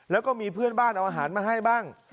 แล้วก็มีเพื่อนบ้านเอาอาหารมาให้บ้าง